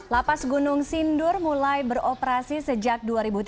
lapas gunung sindur mulai beroperasi sejak dua ribu tiga belas